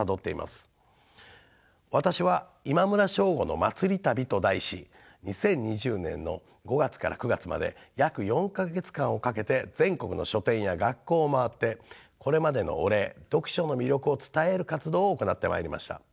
私は「今村翔吾のまつり旅」と題し２０２２年の５月から９月まで約４か月間をかけて全国の書店や学校をまわってこれまでのお礼読書の魅力を伝える活動を行ってまいりました。